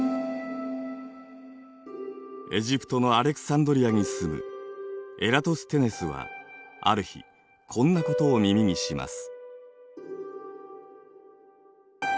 エジプトのアレクサンドリアに住むエラトステネスはある日こんなことを耳にします。